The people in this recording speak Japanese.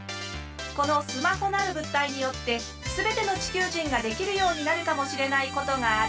このスマホなる物体によって全ての地球人ができるようになるかもしれないことがある。